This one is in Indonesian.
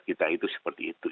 kita itu seperti itu